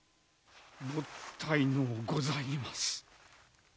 もったいのうございます。